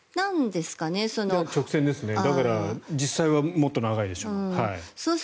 だから実際はもっと長いでしょう。